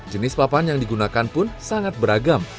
jenis papan yang digunakan pun sangat beragam